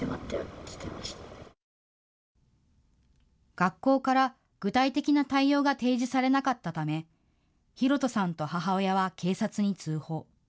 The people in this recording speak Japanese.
学校から具体的な対応が提示されなかったためヒロトさんと母親は警察に通報。